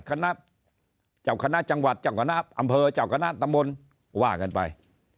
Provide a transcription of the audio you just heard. คณะเจ้าคณะจังหวัดเจ้าคณะอำเภอเจ้าคณะตำบลว่ากันไป